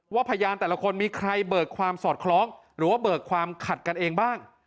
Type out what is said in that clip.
พยานแต่ละคนมีใครเบิกความสอดคล้องหรือว่าเบิกความขัดกันเองบ้าง